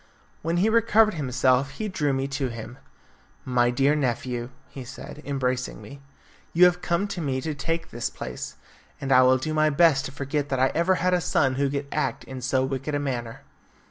When he recovered himself he drew me to him. "My dear nephew," he said, embracing me, "you have come to me to take his place, and I will do my best to forget that I ever had a son who could act in so wicked a manner."